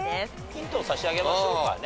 ヒントを差し上げましょうかね。